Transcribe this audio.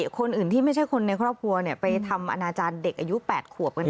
คนอื่นที่ไม่ใช่คนในครอบครัวไปทำอนาจารย์เด็กอายุ๘ขวบกัน